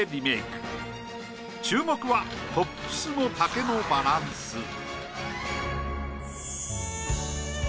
注目はトップスの丈のバランス。